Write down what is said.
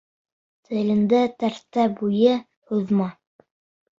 Теленде тәртә буйы һуҙма.